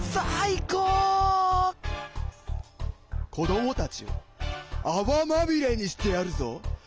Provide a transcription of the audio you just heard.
こどもたちをあわまみれにしてやるぞ。